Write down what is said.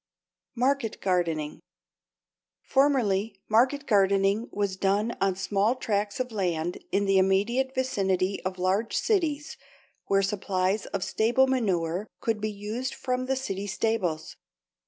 =Market Gardening.= Formerly market gardening was done on small tracts of land in the immediate vicinity of large cities, where supplies of stable manure could be used from the city stables.